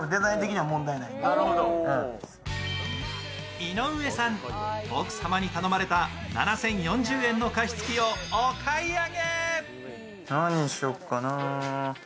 井上さん、奥様に頼まれた７０４０円の加湿器をお買い上げ。